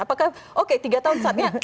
apakah oke tiga tahun saatnya